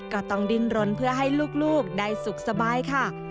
ก็ต้องดินรนเพื่อให้ลูกได้สุขสบายค่ะ